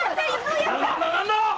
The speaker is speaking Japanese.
何だ！